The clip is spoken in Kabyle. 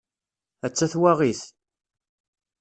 Atta twaɣit!